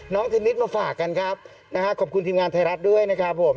เทนนิสมาฝากกันครับนะฮะขอบคุณทีมงานไทยรัฐด้วยนะครับผม